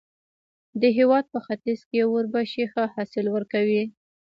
د هېواد په ختیځ کې اوربشې ښه حاصل ورکوي.